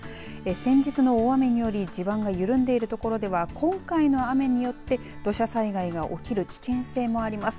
先日の大雨により地盤が緩んでいる所では今回の雨によって土砂災害が起きる危険性もあります。